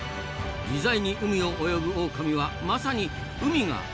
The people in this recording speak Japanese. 自在に海を泳ぐオオカミはまさに海が生みの親！